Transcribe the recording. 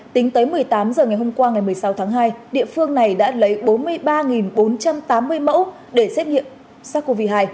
tính tới một mươi tám h ngày hôm qua ngày một mươi sáu tháng hai địa phương này đã lấy bốn mươi ba bốn trăm tám mươi mẫu để xét nghiệm sars cov hai